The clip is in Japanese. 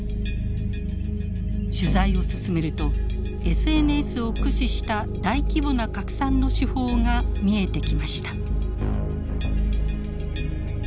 取材を進めるとＳＮＳを駆使した大規模な拡散の手法が見えてきました。